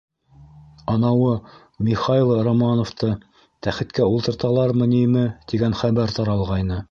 Анауы Михайла Романовты тәхеткә ултырталармы-ниме тигән хәбәр таралғайны.